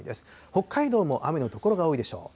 北海道も雨の所が多いでしょう。